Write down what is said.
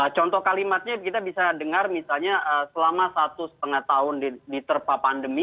contoh kalimatnya kita bisa dengar misalnya selama satu setengah tahun diterpa pandemi